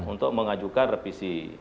untuk mengajukan direvisi